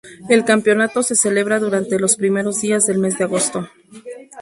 El campeonato se celebra durante los primeros días del mes de agosto.